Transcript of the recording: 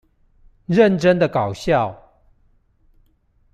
認真的搞笑